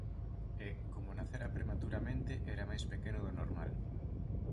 E, como nacera prematuramente, era máis pequeno do normal.